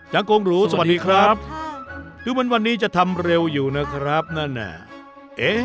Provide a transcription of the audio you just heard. จังโกงหรูสวัสดีครับถือว่าวันนี้จะทำเร็วอยู่นะครับน่า